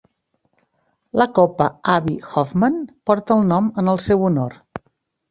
La copa Abby Hoffman porta el nom en el seu honor.